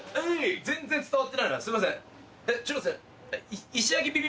全然伝わってないなすいません。